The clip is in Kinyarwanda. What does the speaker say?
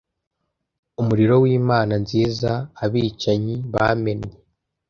umuriro wimana nziza abicanyi bamennye